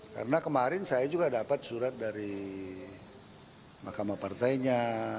karena kemarin saya juga dapat surat dari makamah partainya